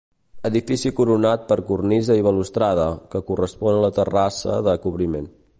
Edifici coronat per cornisa i balustrada, que correspon a la terrassa de cobriment.